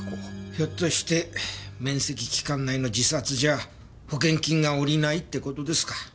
ひょっとして免責期間内の自殺じゃ保険金が下りないって事ですか。